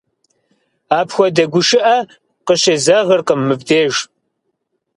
Апхуэдэ гушыӀэ къыщезэгъыркъым мыбдеж.